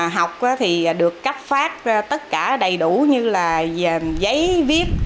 học được cắt phát tất cả đầy đủ như giấy viết